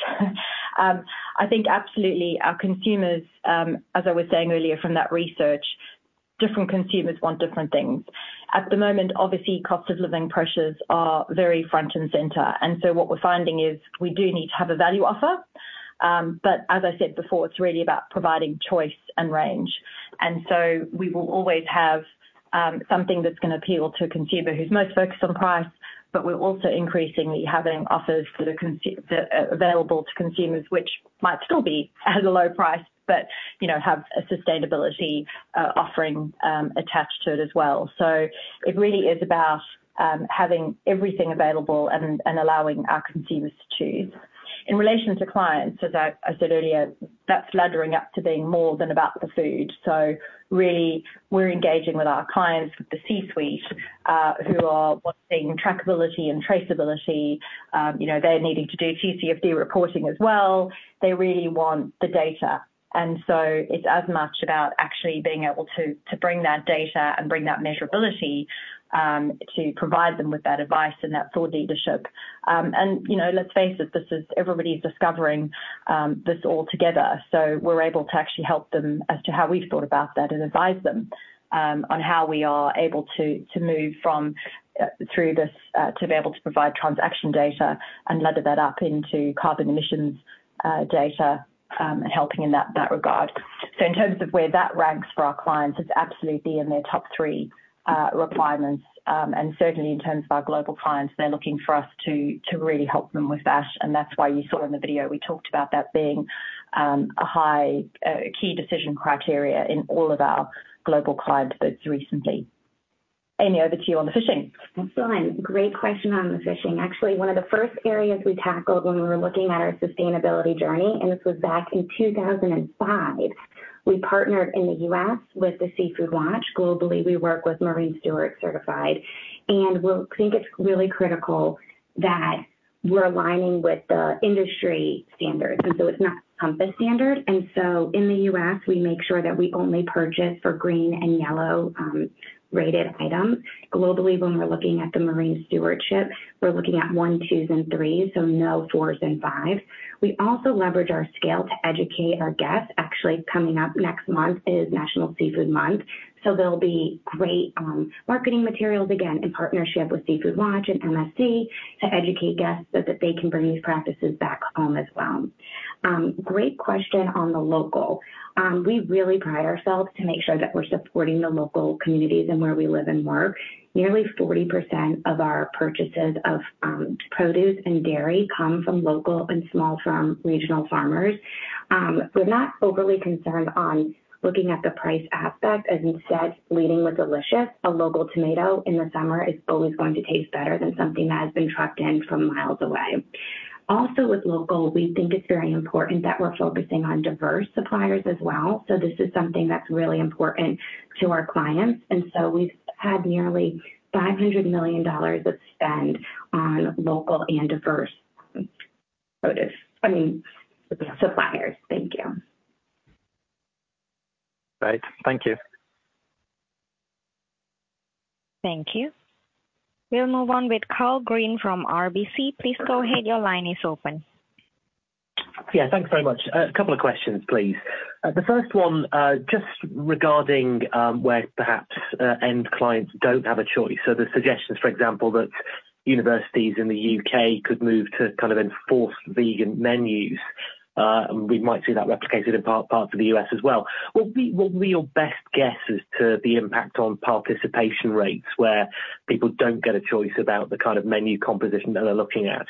I think absolutely our consumers, as I was saying earlier from that research, different consumers want different things. At the moment, obviously, cost of living pressures are very front and center, and so what we're finding is we do need to have a value offer. But as I said before, it's really about providing choice and range. And so we will always have something that's gonna appeal to a consumer who's most focused on price, but we're also increasingly having offers available to consumers, which might still be at a low price, but, you know, have a sustainability offering attached to it as well. So it really is about having everything available and allowing our consumers to choose. In relation to clients, as I said earlier, that's laddering up to being more than about the food. So really, we're engaging with our clients, with the C-suite who are wanting trackability and traceability. You know, they're needing to do TCFD reporting as well. They really want the data, and so it's as much about actually being able to, to bring that data and bring that measurability, to provide them with that advice and that thought leadership. And, you know, let's face it, this is everybody's discovering, this all together. So we're able to actually help them as to how we've thought about that and advise them, on how we are able to, to move from, through this, to be able to provide transaction data and ladder that up into carbon emissions, data, and helping in that, that regard. So in terms of where that ranks for our clients, it's absolutely in their top three, requirements. And certainly in terms of our global clients, they're looking for us to really help them with that, and that's why you saw in the video, we talked about that being a high key decision criteria in all of our global client bids recently. Amy, over to you on the fishing.
Thanks, Jarrod. Great question on the fishing. Actually, one of the first areas we tackled when we were looking at our sustainability journey, and this was back in 2005, we partnered in the U.S. with the Seafood Watch. Globally, we work with Marine Stewardship Certified, and we think it's really critical that we're aligning with the industry standards, and so it's not Compass standard. And so in the U.S., we make sure that we only purchase for green and yellow rated items. Globally, when we're looking at the marine stewardship, we're looking at 1s, 2s, and 3s, so no 4s and 5s. We also leverage our scale to educate our guests. Actually, coming up next month is National Seafood Month, so there'll be great marketing materials, again, in partnership with Seafood Watch and MSC to educate guests so that they can bring these practices back home as well. Great question on the local. We really pride ourselves to make sure that we're supporting the local communities and where we live and work. Nearly 40% of our purchases of produce and dairy come from local and small farm, regional farmers. We're not overly concerned on looking at the price aspect. As we said, leading with delicious, a local tomato in the summer is always going to taste better than something that has been trucked in from miles away. Also, with local, we think it's very important that we're focusing on diverse suppliers as well. This is something that's really important to our clients, and we've had nearly $500 million of spend on local and diverse produce, I mean, suppliers. Thank you.
Great. Thank you.
Thank you. We'll move on with Karl Green from RBC. Please go ahead. Your line is open.
Yeah, thanks very much. A couple of questions, please. The first one, just regarding, where perhaps end clients don't have a choice. So the suggestions, for example, that universities in the U.K. could move to kind of enforce vegan menus, and we might see that replicated in parts of the U.S. as well. What would be, what would be your best guess as to the impact on participation rates, where people don't get a choice about the kind of menu composition that they're looking at?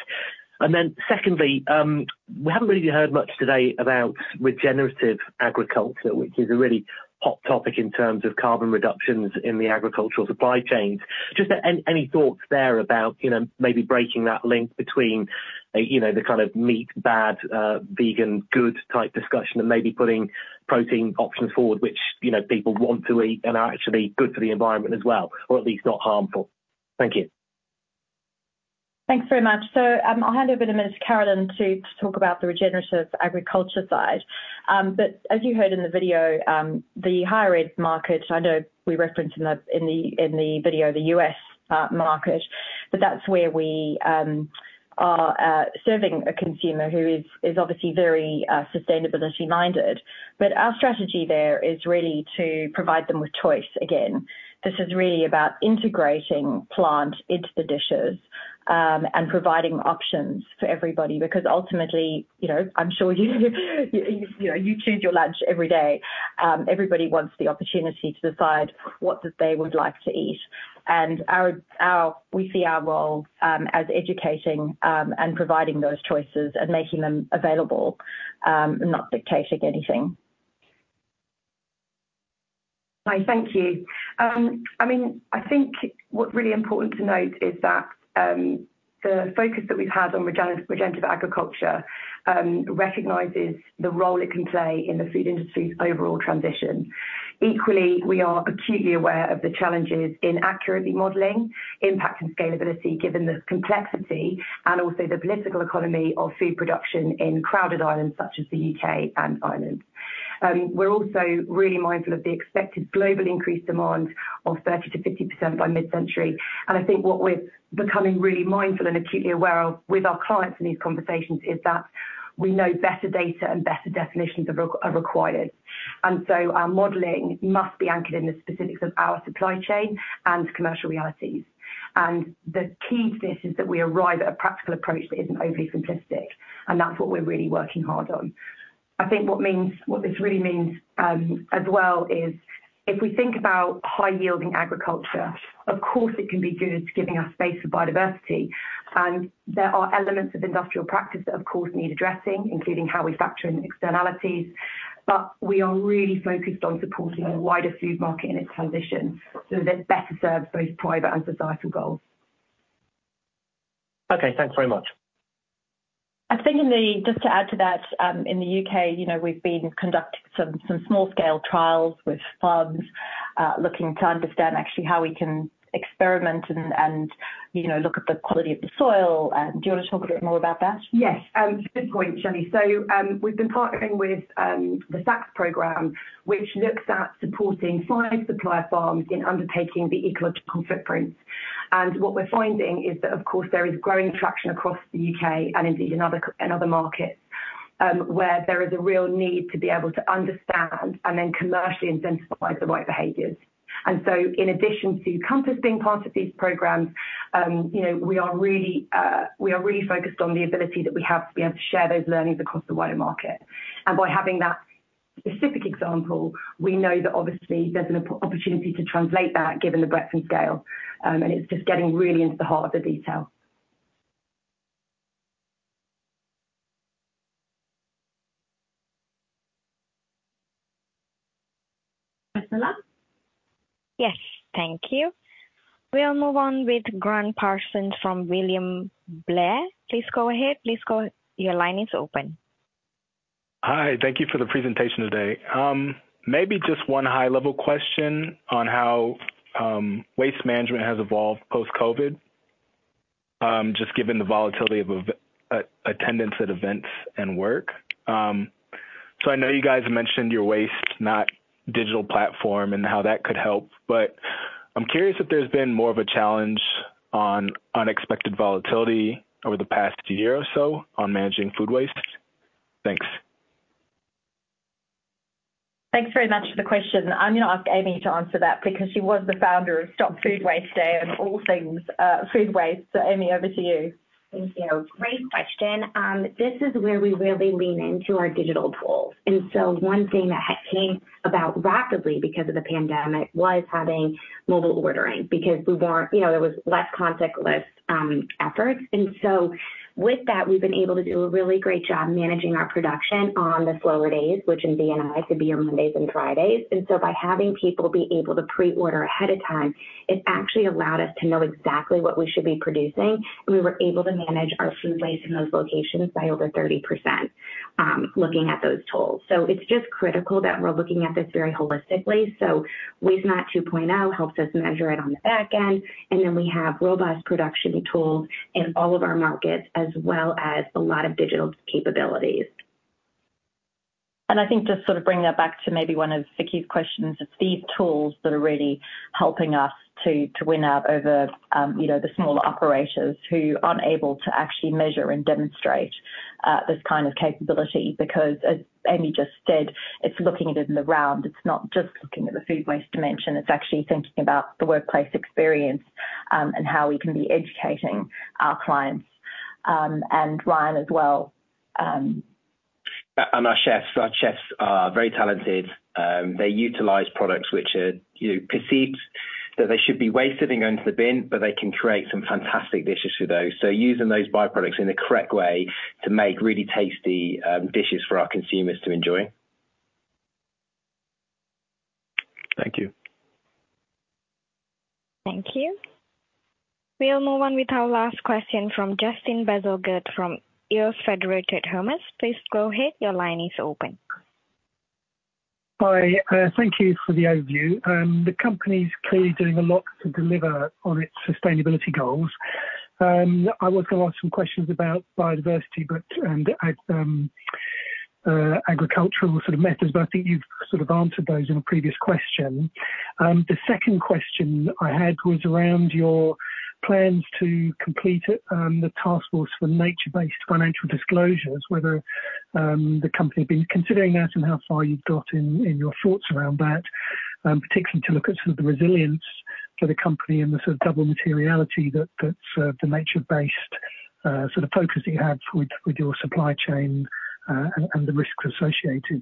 And then secondly, we haven't really heard much today about regenerative agriculture, which is a really hot topic in terms of carbon reductions in the agricultural supply chains. Just any thoughts there about, you know, maybe breaking that link between, you know, the kind of meat bad, vegan good type discussion, and maybe putting protein options forward, which, you know, people want to eat and are actually good for the environment as well, or at least not harmful? Thank you.
Thanks very much. So, I'll hand over in a minute to Carolyn to talk about the regenerative agriculture side. But as you heard in the video, the higher ed market, I know we referenced in the video, the U.S. market, but that's where we are serving a consumer who is obviously very sustainability minded. But our strategy there is really to provide them with choice again. This is really about integrating plant into the dishes, and providing options for everybody, because ultimately, you know, I'm sure you know, you choose your lunch every day. Everybody wants the opportunity to decide what that they would like to eat. And we see our role as educating, and providing those choices and making them available, and not dictating anything.
Hi, thank you. I mean, I think what's really important to note is that, the focus that we've had on regenerative agriculture, recognizes the role it can play in the food industry's overall transition. Equally, we are acutely aware of the challenges in accurately modeling, impact, and scalability, given the complexity and also the political economy of food production in crowded islands such as the U.K. and Ireland. We're also really mindful of the expected global increased demand of 30%-50% by mid-century. And I think what we're becoming really mindful and acutely aware of with our clients in these conversations is that we know better data and better definitions are required. And so our modeling must be anchored in the specifics of our supply chain and commercial realities. The key to this is that we arrive at a practical approach that isn't overly simplistic, and that's what we're really working hard on. I think what this really means, as well is if we think about high-yielding agriculture, of course, it can be good, giving us space for biodiversity. There are elements of industrial practice that, of course, need addressing, including how we factor in externalities. But we are really focused on supporting a wider food market in its transition, so that better serves both private and societal goals.
Okay, thanks very much.
I think in the just to add to that, in the U.K., you know, we've been conducting some small-scale trials with farms, looking to understand actually how we can experiment and you know look at the quality of the soil. Do you want to talk a bit more about that?
Yes, good point, Shelley. So, we've been partnering with the SACS program, which looks at supporting five supplier farms in undertaking the ecological footprint. And what we're finding is that, of course, there is growing traction across the U.K. and indeed in other markets, where there is a real need to be able to understand and then commercially incentivize the right behaviors. And so in addition to Compass being part of these programs, you know, we are really focused on the ability that we have to be able to share those learnings across the wider market. And by having that specific example, we know that obviously there's an opportunity to translate that, given the breadth and scale. And it's just getting really into the heart of the detail.
Priscilla?
Yes, thank you. We'll move on with Grant Parsons from William Blair. Please go ahead. Your line is open.
Hi, thank you for the presentation today. Maybe just one high-level question on how waste management has evolved post-COVID? Just given the volatility of attendance at events and work. So I know you guys have mentioned your Waste Not digital platform and how that could help, but I'm curious if there's been more of a challenge on unexpected volatility over the past year or so on managing food waste? Thanks.
Thanks very much for the question. I'm going to ask Amy to answer that because she was the founder of Stop Food Waste Day and all things, food waste. So, Amy, over to you.
Thank you. Great question. This is where we really lean into our digital tools. And so one thing that came about rapidly because of the pandemic was having mobile ordering, because we weren't, you know, there was less contactless efforts. And so with that, we've been able to do a really great job managing our production on the slower days, which in DNI, could be your Mondays and Fridays. And so by having people be able to pre-order ahead of time, it actually allowed us to know exactly what we should be producing, and we were able to manage our food waste in those locations by over 30%, looking at those tools. So it's just critical that we're looking at this very holistically. So Waste Not 2.0 helps us measure it on the back end, and then we have robust production tools in all of our markets, as well as a lot of digital capabilities.
I think just to sort of bring that back to maybe one of Vicki's questions, it's these tools that are really helping us to win out over, you know, the smaller operators who aren't able to actually measure and demonstrate this kind of capability, because as Amy just said, it's looking at it in the round. It's not just looking at the food waste dimension. It's actually thinking about the workplace experience and how we can be educating our clients. And Ryan as well.
And our chefs. Our chefs are very talented. They utilize products which are, you know, perceived that they should be wasted and go into the bin, but they can create some fantastic dishes with those. So using those byproducts in the correct way to make really tasty dishes for our consumers to enjoy.
Thank you.
Thank you. We'll move on with our last question from Justin Bazalgette from EOS Federated Hermes. Please go ahead. Your line is open.
Hi, thank you for the overview. The company's clearly doing a lot to deliver on its sustainability goals. I was going to ask some questions about biodiversity, but agricultural sort of methods, but I think you've sort of answered those in a previous question. The second question I had was around your plans to complete it, the Task Force for nature-based financial disclosures. Whether the company have been considering that and how far you've got in your thoughts around that, particularly to look at sort of the resilience for the company and the sort of double materiality that the nature-based sort of focus that you have with your supply chain and the risks associated.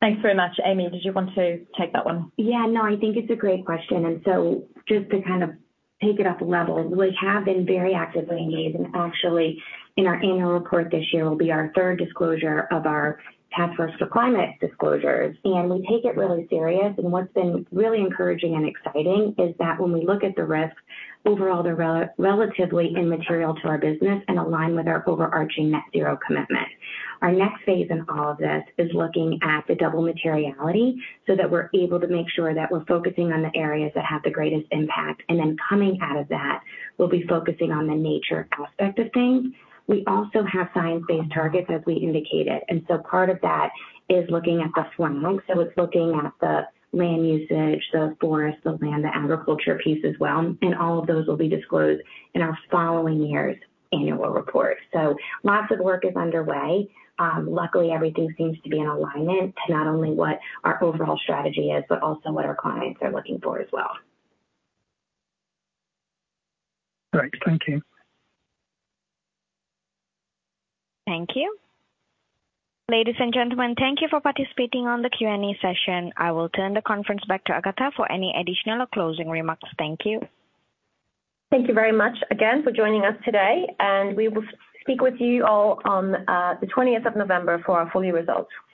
Thanks very much. Amy, did you want to take that one?
Yeah, no, I think it's a great question. So just to kind of take it up a level, we have been very actively engaged, and actually, in our annual report, this year will be our third disclosure of our Task Force on Climate-related Financial Disclosures. We take it really serious. What's been really encouraging and exciting is that when we look at the risk, overall they're relatively immaterial to our business and align with our overarching net zero commitment. Our next phase in all of this is looking at the double materiality, so that we're able to make sure that we're focusing on the areas that have the greatest impact. Then coming out of that, we'll be focusing on the nature aspect of things. We also have science-based targets, as we indicated, and so part of that is looking at the form. It's looking at the land usage, the forest, the land, the agriculture piece as well, and all of those will be disclosed in our following year's annual report. Lots of work is underway. Luckily, everything seems to be in alignment to not only what our overall strategy is, but also what our clients are looking for as well.
Great. Thank you.
Thank you. Ladies and gentlemen, thank you for participating on the Q&A session. I will turn the conference back to Agatha for any additional or closing remarks. Thank you.
Thank you very much again for joining us today, and we will speak with you all on the twentieth of November for our full year results. Thank you.